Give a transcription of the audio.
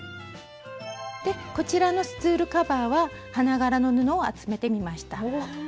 こちらのスツールカバーは花柄の布を集めてみました。